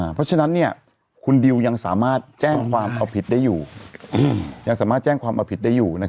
เพราะฉะนั้นเนี่ยคุณดิวยังสามารถแจ้งความเอาผิดได้อยู่